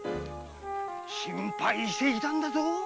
心配していたんだぞ！